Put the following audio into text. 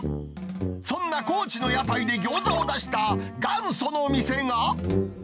そんな高知の屋台で餃子を出した、元祖の店が。